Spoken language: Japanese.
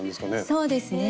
そうですね。